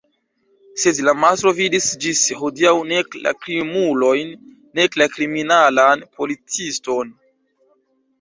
Sed la mastro vidis ĝis hodiaŭ nek la krimulojn nek la kriminalan policiston.